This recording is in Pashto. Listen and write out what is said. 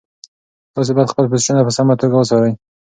تاسي باید خپل پوسټونه په سمه توګه وڅارئ.